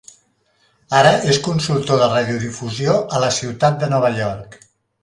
Ara és consultor de radiodifusió a la ciutat de Nova York.